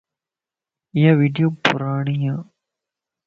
ايا ويڊيو پڙاڻيَ